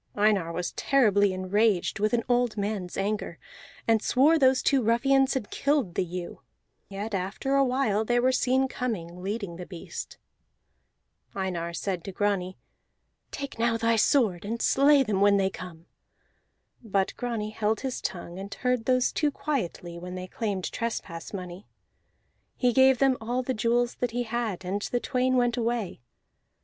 Einar was terribly enraged with an old mans anger, and swore those two ruffians had killed the ewe; yet after a while they were seen coming, leading the beast. Einar said to Grani, "Take now thy sword and slay them when they come." But Grani held his tongue and heard those two quietly when they claimed trespass money; he gave them all the jewels that he had, and the twain went away.